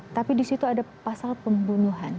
tapi di situ ada pasal pembunuhan